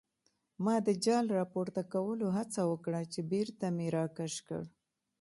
ما د جال راپورته کولو هڅه وکړه چې بېرته مې راکش کړ.